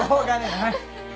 はい。